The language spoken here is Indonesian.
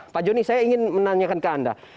pak joni saya ingin menanyakan ke anda